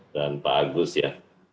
dan pak agus ya